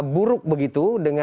buruk begitu dengan